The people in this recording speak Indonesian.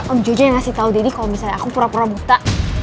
om jojo yang kasih tau daddy kalo misalnya aku pura pura buta